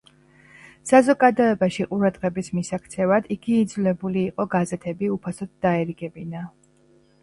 საზოგადოებაში ყურადღების მისაქცევად, იგი იძულებული იყო, გაზეთები უფასოდ დაერიგებინა.